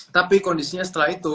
tapi kondisinya setelah itu